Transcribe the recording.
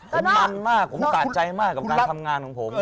ผมมันมากผมสะใจมากกับการทำงานของผม